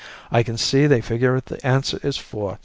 I can see they figure the answer is four.